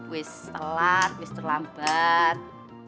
wis telat wis terlambat